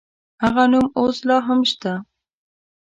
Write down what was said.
هغه نوم اوس لا هم شته.